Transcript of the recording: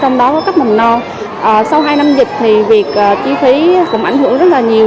trong đó có cấp mầm non sau hai năm dịch thì việc chi phí cũng ảnh hưởng rất là nhiều